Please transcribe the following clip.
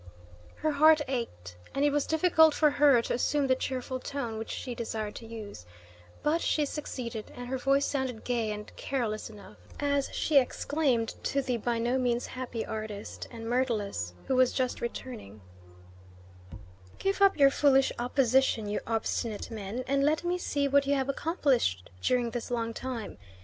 Her heart ached, and it was difficult for her to assume the cheerful tone which she desired to use; but she succeeded, and her voice sounded gay and careless enough as she exclaimed to the by no means happy artist and Myrtilus, who was just returning: "Give up your foolish opposition, you obstinate men, and let me see what you have accomplished during this long time.